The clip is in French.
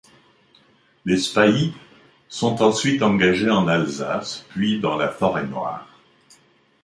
Les spahis sont ensuite engagés en Alsace, puis dans la Forêt-Noire.